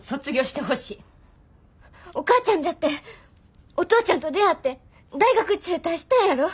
お母ちゃんだってお父ちゃんと出会って大学中退したんやろ。